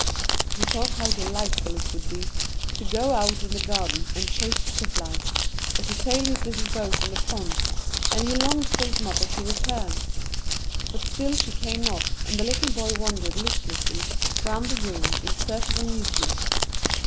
He thought how delightful it would be to go out in the garden and chase butterflies, or to sail his little boat in the pond, and he longed for his mother to return; but still she came not, and the little boy wandered listlessly round the room in search of amusement.